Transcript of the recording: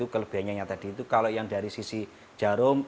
kelebihannya tadi itu kalau yang dari sisi jarum